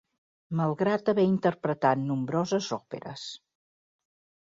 Malgrat haver interpretat nombroses òperes.